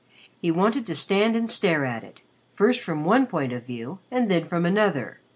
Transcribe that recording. He wanted to stand and stare at it, first from one point of view and then from another.